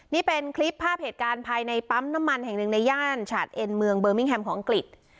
นี่เป็นคลิปภาพเหตุการณ์ภายในปั๊มน้ำมันแห่งหนึ่งในย่านฉาดเอ็นเมืองเบอร์มิ่งแฮมของอังกฤษ